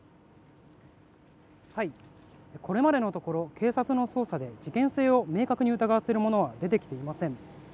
これまでのところ警察の捜査で事件性を明確に疑わせるものは出てきていません。